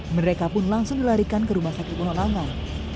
mereka pun langsung dilarikan ke rumah sakit penolanggang